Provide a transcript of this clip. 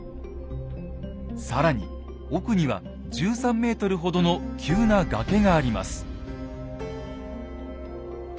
更に奥には１３ｍほどの急な崖があります。